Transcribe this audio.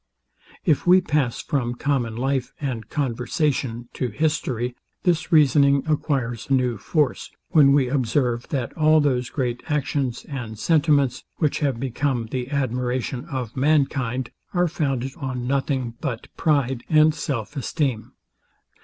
If we pass from common life and conversation to history, this reasoning acquires new force, when we observe, that all those great actions and sentiments, which have become the admiration of mankind, are founded on nothing but pride and self esteem.